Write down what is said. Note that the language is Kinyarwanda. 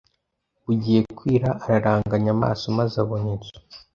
Bugiye kwira araranganya amaso maze abona inzu